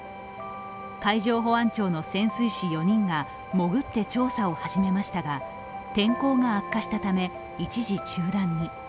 海上保安庁の潜水士４人が潜って調査を始めましたが天候が悪化したため、一時中断に。